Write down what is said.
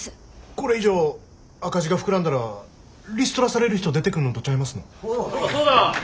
これ以上赤字が膨らんだらリストラされる人出てくんのとちゃいますの？